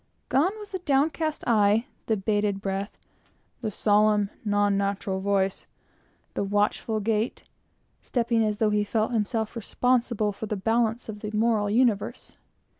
Gone was the downcast eye, the bated breath, the solemn, non natural voice, the watchful gait, stepping as if he felt responsible for the balance of the moral universe!